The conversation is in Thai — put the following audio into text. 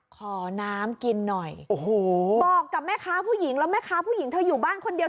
ขอน้ำกินหน่อยโอ้โหบอกกับแม่ค้าผู้หญิงแล้วแม่ค้าผู้หญิงเธออยู่บ้านคนเดียว